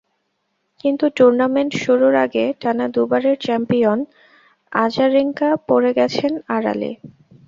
কিন্তু টুর্নামেন্ট শুরুর আগে টানা দুবারের চ্যাম্পিয়ন আজারেঙ্কা পড়ে গেছেন আড়ালে।